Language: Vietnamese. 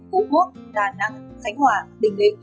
của quốc đà nẵng khánh hòa đình định